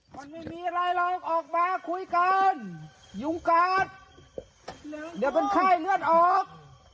มันไม่มีอะไรหรอกออกมาคุยกันยุงกัดเดี๋ยวเป็นไข้เลือดออก